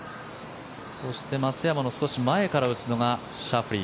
そして松山の少し前から打つのがシャフリー。